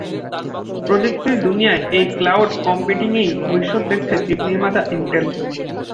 প্রযুক্তির দুনিয়ায় এই ক্লাউড কম্পিউটিংয়েই ভবিষ্যৎ দেখছে চিপ নির্মাতা ইনটেল।